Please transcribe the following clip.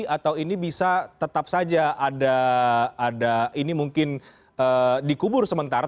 atau ini bisa tetap saja ada ini mungkin dikubur sementara